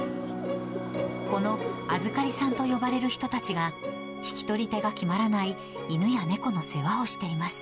この預かりさんと呼ばれる人たちが、引き取り手が決まらない犬や猫の世話をしています。